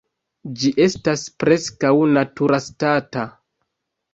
Ĝi estas preskaŭ naturastata.